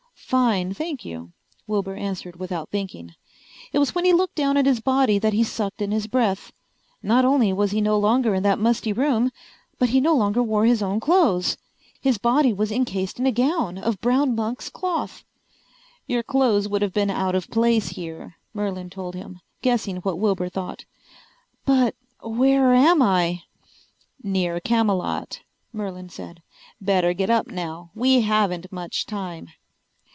"Fine, thank you," Wilbur answered without thinking. It was when he looked down at his body that he sucked in his breath. Not only was he no longer in that musty room, but he no longer wore his own clothes! His body was encased in a gown of brown monk's cloth! "Your clothes would have been out of place here," Merlin told him, guessing what Wilbur thought. "But where am I?" "Near Camelot," Merlin said. "Better get up now. We haven't much time."